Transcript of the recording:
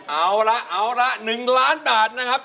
เอาละเอาละ๑ล้านบาทนะครับ